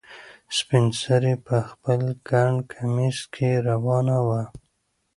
سپین سرې په خپل ګڼ کمیس کې روانه وه.